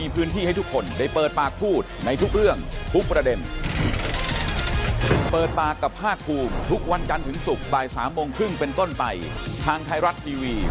โอ้โหพอสมควรด้วยขอบคุณนะครับท่านครับ